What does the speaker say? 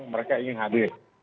mereka ingin hadir